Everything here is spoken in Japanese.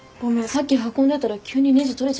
さっき運んでたら急にねじ取れちゃってさ。